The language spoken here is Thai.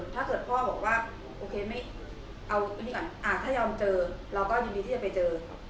ถ้าเกิดพ่อบอกว่าถ้ายอมเจอเราก็ยินดีที่จะไปเจอ